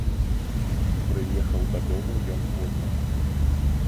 Прыехаў дадому ён позна.